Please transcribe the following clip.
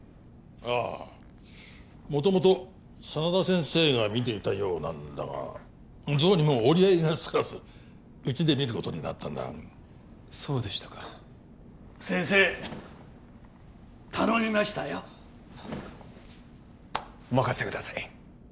ああ元々真田先生が診ていたようなんだがどうにも折り合いがつかずうちで診ることになったんだそうでしたか先生頼みましたよお任せください